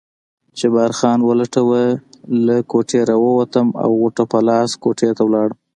جبار خان ولټوه، له کوټې راووتم او غوټه په لاس کوټې ته ولاړم.